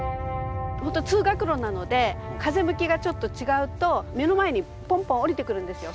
ほんと通学路なので風向きがちょっと違うと目の前にポンポン降りてくるんですよ